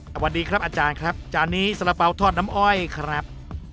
สวัสดีครับอาจารย์ครับจานนี้สาระเป๋าทอดน้ำอ้อยครับ